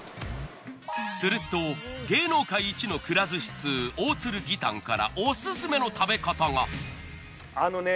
すると芸能界一のくら寿司通大鶴義丹からオススメの食べ方が。